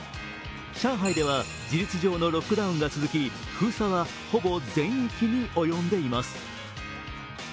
上海では事実上のロックダウンが続き、封鎖はほぼ全域に及んでいます。